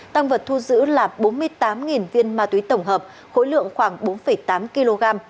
tăng vật thu giữ là bốn mươi tám viên ma túy tổng hợp khối lượng khoảng bốn tám kg